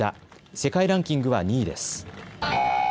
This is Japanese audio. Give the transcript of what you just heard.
世界ランキングは２位です。